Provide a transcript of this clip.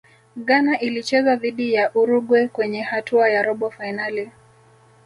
ghana ilicheza dhidi ya uruguay kwenye hatua ya robo fainali